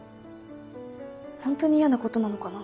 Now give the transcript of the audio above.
ホントに嫌なことなのかな？